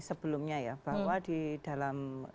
sebelumnya ya bahwa di dalam